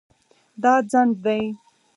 دا ځنډ دی